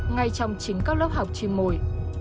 ngay trong chính các lớp học chim mồi